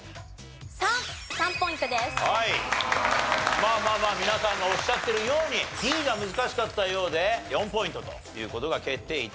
まあまあまあ皆さんがおっしゃってるようにＤが難しかったようで４ポイントという事が決定致しました。